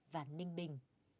và ninh bình